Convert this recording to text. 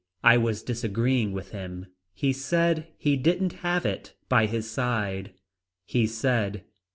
I was disagreeing with him. He said he didn't have it by his side. He said.